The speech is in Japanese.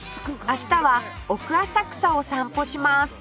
明日は奥浅草を散歩します